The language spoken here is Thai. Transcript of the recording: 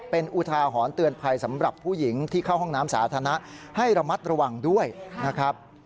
เป็นอุทาหรณ์เตือนภัยสำหรับผู้หญิงที่เข้าห้องน้ำสาธารณะให้ระมัดระวังด้วยนะครับ